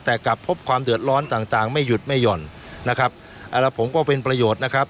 แต่กลับพบความเดือดร้อนต่างต่างไม่หยุดไม่หย่อนนะครับอ่าแล้วผมก็เป็นประโยชน์นะครับ